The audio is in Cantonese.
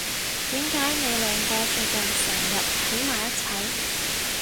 點解你兩個最近成日喺埋一齊？